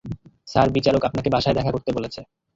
Sir, বিচারক আপনাকে বাসায় দেখা করতে বলেছে।